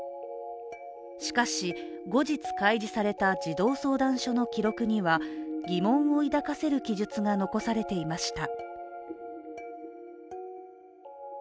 しかし後日、開示された児童相談所の記録には疑問を抱かせる記述が残されていました。